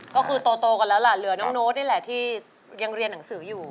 ก็คือโตกันแล้วล่ะเหลือน้องโน้ตนี่แหละที่ยังเรียนหนังสืออยู่